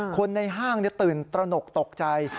คนในห้างตื่นตระหนกตกใจ